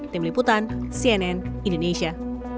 tim liputan cnn indonesia